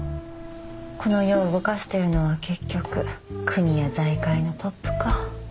この世を動かしているのは結局国や財界のトップか。